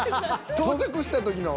到着した時の。